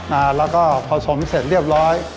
อ่าแล้วก็ผสมเสร็จเรียบร้อย